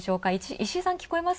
石井さん、聞こえます？